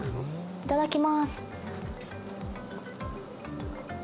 いただきます。